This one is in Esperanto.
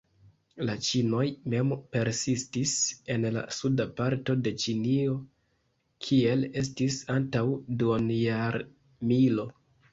La ĉinoj mem persistis en la suda parto de Ĉinio, kiel estis antaŭ duonjarmilo.